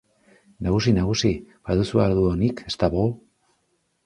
Nagusi, nagusi, baduzu ardo onik, staboo?